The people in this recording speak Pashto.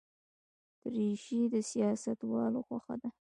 دریشي د سیاستوالو خوښه ده.